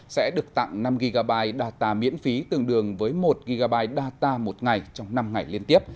sẽ được tặng năm gb data miễn phí tương đương với một gigaby data một ngày trong năm ngày liên tiếp